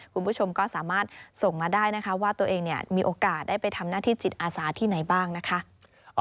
คุณผู้ชมก็สามารถส่งมาได้นะคะว่าตัวเองมีโอกาสได้ไปทำหน้าที่จิตอาสาที่ไหนบ้างนะคะ